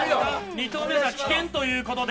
２投目は棄権ということで。